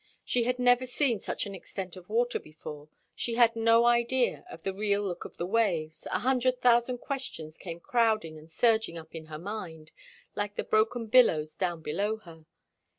She had never seen such an extent of water before, she had no idea of the real look of the waves; a hundred thousand questions came crowding and surging up in her mind, like the broken billows down below her.